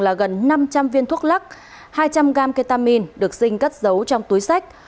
trường là gần năm trăm linh viên thuốc lắc hai trăm linh gam ketamin được sinh cắt giấu trong túi sách